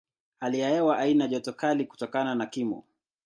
Hali ya hewa haina joto kali kutokana na kimo.